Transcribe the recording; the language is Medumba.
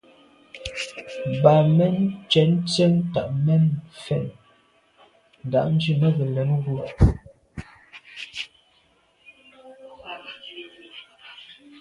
Bǎmén cɛ̌n tsjə́ŋ tà’ mɛ̀n fɛ̀n ndǎʼndjʉ̂ mə́ gə̀ lɛ̌n wú.